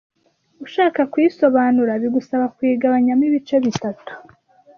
ushaka kuyisobanura bigusaba kuyigabanyamo ibice bitatu